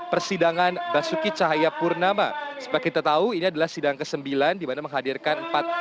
persidangan basuki cahayapurnama seperti kita tahu ini adalah sidang ke sembilan dimana menghadirkan empat